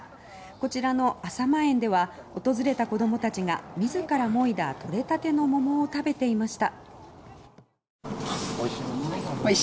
こちらの浅間園では訪れた子供たちが自らもいだ取れたての桃を食べていました。